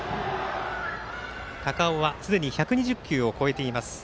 高尾はすでに１２０球を超えています。